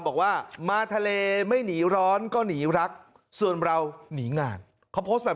บอกว่ามาทะเลไม่หนีร้อนก็หนีรักส่วนเราหนีงานเขาโพสต์แบบ